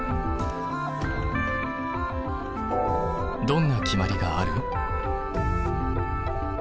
どんな決まりがある？